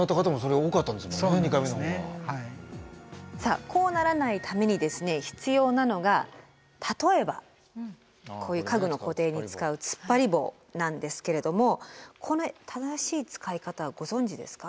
さあこうならないためにですね必要なのが例えばこういう家具の固定に使うつっぱり棒なんですけれどもこの正しい使い方はご存じですか？